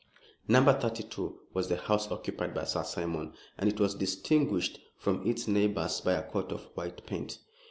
No. 32 was the house occupied by Sir Simon, and it was distinguished from its neighbors by a coat of white paint.